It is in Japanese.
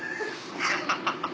ハハハハ。